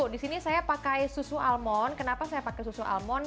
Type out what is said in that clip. disini saya pakai susu almon kenapa saya pakai susu almon